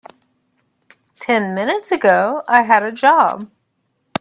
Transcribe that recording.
Ten minutes ago I had a job.